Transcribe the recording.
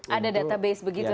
ada database begitu nanti